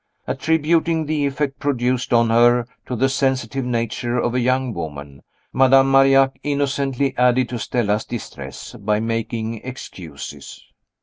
Attributing the effect produced on her to the sensitive nature of a young woman, Madame Marillac innocently added to Stella's distress by making excuses.